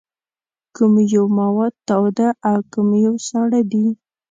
کوم یو مواد تاوده او کوم یو ساړه دي؟